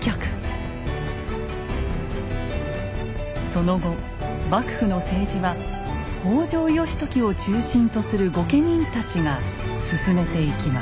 その後幕府の政治は北条義時を中心とする御家人たちが進めていきます。